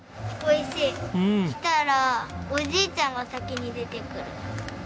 来たらおじいちゃんが先に出てくる。